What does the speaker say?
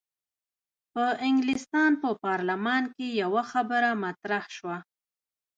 په انګلستان په پارلمان کې یوه خبره طرح شوه.